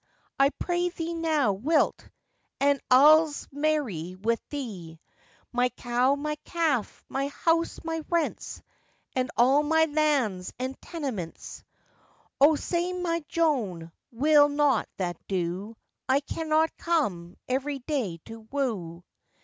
I prythee now, wilt? and I'ze marry with thee, My cow, my calf, my house, my rents, And all my lands and tenements: Oh, say, my Joan, will not that do? I cannot come every day to woo.